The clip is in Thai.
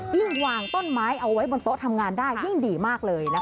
ยิ่งวางต้นไม้เอาไว้บนโต๊ะทำงานได้ยิ่งดีมากเลยนะคะ